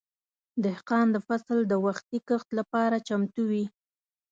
دهقان د فصل د وختي کښت لپاره چمتو وي.